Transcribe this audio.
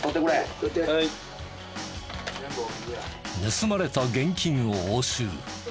盗まれた現金を押収。